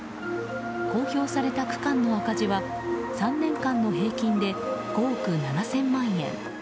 公表された区間の赤字は３年間の平均で５億７０００万円。